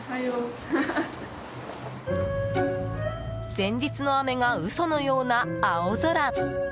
前日の雨が嘘のような青空！